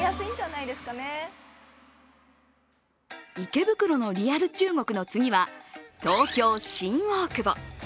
池袋のリアル中国の次は東京・新大久保。